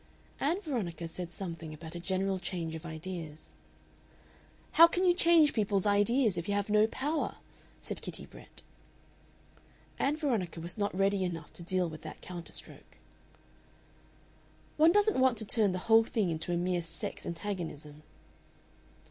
Ann Veronica said something about a general change of ideas. "How can you change people's ideas if you have no power?" said Kitty Brett. Ann Veronica was not ready enough to deal with that counter stroke. "One doesn't want to turn the whole thing into a mere sex antagonism."